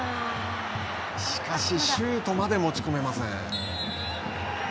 しかしシュートまで持ち込めません。